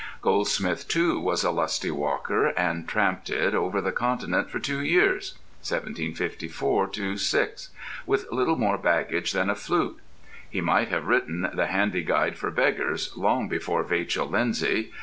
Goldsmith, too, was a lusty walker, and tramped it over the Continent for two years (1754 6) with little more baggage than a flute: he might have written "The Handy Guide for Beggars" long before Vachel Lindsay.